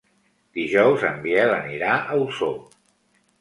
Dijous en Biel anirà a Osor.